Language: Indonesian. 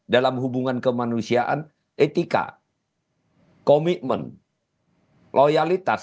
dalam hubungan kemanusiaan etika komitmen loyalitas